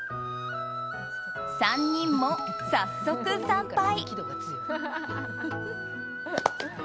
３人も早速、参拝。